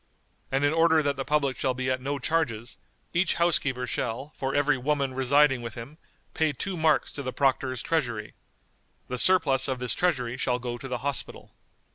"and in order that the public shall be at no charges, each housekeeper shall, for every woman residing with him, pay two marks to the Proctor's treasury. The surplus of this treasury shall go to the Hospital."